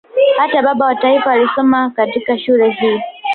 Hata baba wa taifa alisoma katika shule hii